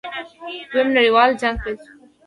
دویم نړیوال جنګ پیل شو.